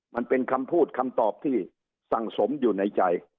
มันเป็นคำพูดคำตอบที่สั่งสมอยู่ในใจ